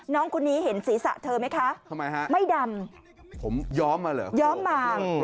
น้องคนนี้เห็นศีรษะเธอไหมคะทำไมฮะไม่ดำผมย้อมมาเหรอย้อมมา